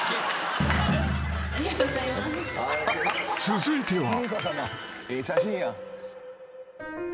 ［続いては］